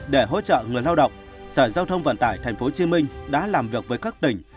để hỗ trợ người lao động sở giao thông vận tải tp hcm đã làm việc với các tỉnh